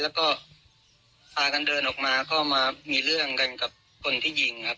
แล้วก็พากันเดินออกมาก็มามีเรื่องกันกับคนที่ยิงครับ